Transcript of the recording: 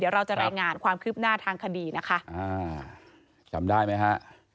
เราจะรายงานความคืบหน้าทางคดีนะคะอ่าจำได้ไหมฮะ